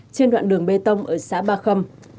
trên đoạn đường bê tông ở xã ba khâm